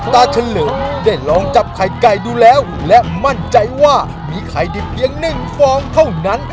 เฉลิมได้ลองจับไข่ไก่ดูแล้วและมั่นใจว่ามีไข่ดิบเพียงหนึ่งฟองเท่านั้น